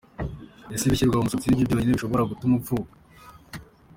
Ese ibishyirwa mu musatsi ni byo byonyine bishobora gutuma upfuka?.